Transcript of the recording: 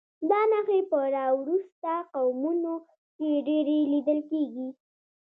دا نښې په راوروسته قومونو کې ډېرې لیدل کېږي.